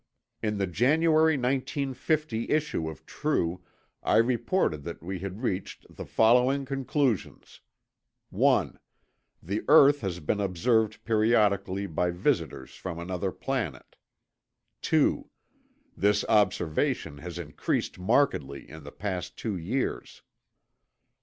In the January 1950 issue of True, I reported that we had reached the following conclusions: 1 The earth has been observed periodically by visitors from another planet. 2. This observation has increased markedly in the past two years.